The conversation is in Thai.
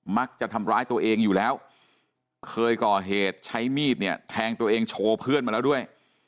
มักจะทำร้ายตัวเองอยู่แล้วเคยก่อเหตุใช้มีดเนี่ยแทงตัวเองโชว์เพื่อนมาแล้วด้วย